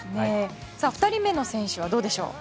２人目の選手はどうでしょう。